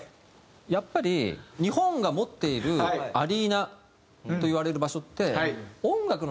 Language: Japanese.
やっぱり日本が持っているアリーナといわれる場所って。